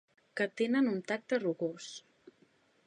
Que tenen un tacte rugós.